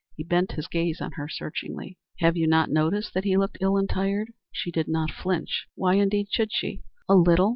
He bent his gaze on her searchingly. "Have you not noticed that he looked ill and tired?" She did not flinch. Why indeed should she? "A little.